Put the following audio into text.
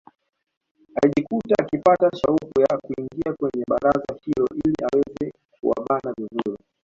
Alijikuta akipata shauku ya kuingia kwenye baraza hilo ili aweze kuwabana vizuri